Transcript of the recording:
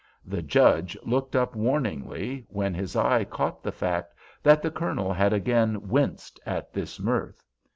The Judge looked up warningly, when his eye caught the fact that the Colonel had again winced at this mirth.